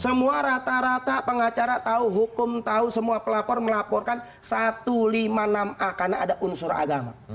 semua rata rata pengacara tahu hukum tahu semua pelapor melaporkan satu ratus lima puluh enam a karena ada unsur agama